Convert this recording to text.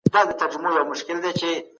ما مجسمه د بې وفا